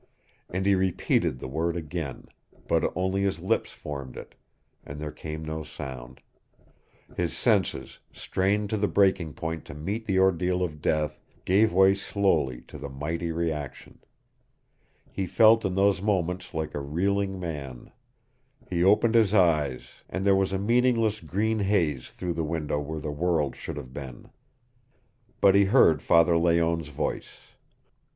And he repeated the word again, but only his lips formed it, and there came no sound. His senses, strained to the breaking point to meet the ordeal of death, gave way slowly to the mighty reaction. He felt in those moments like a reeling man. He opened his eyes, and there was a meaningless green haze through the window where the world should have been. But he heard Father Layonne's voice.